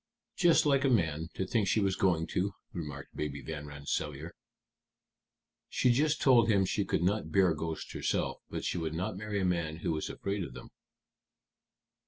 "Just like a man to think she was going to," remarked Baby Van Rensselaer. "She just told him she could not bear ghosts herself, but she would not marry a man who was afraid of them."